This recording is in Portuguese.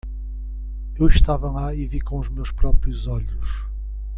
Eu estava lá e vi com meus próprios olhos.